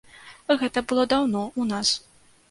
Гэта было даўно ў нас.